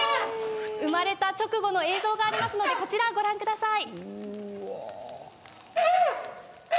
生まれた直後の映像がありますのでご覧ください。